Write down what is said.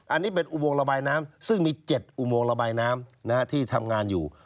อันนี้เป็นอุโมงระบายน้ำซึ่งมี๗อุโมงระบายน้ำที่ทำงานอยู่